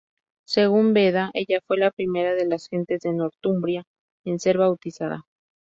Según Beda, ella fue la primera de las gentes de Northumbria en ser bautizada.